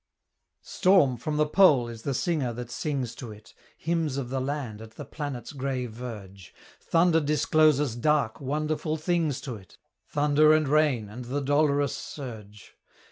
Storm from the Pole is the singer that sings to it Hymns of the land at the planet's grey verge. Thunder discloses dark, wonderful things to it Thunder and rain, and the dolorous surge.